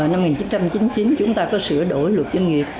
năm một nghìn chín trăm chín mươi chín chúng ta có sửa đổi luật doanh nghiệp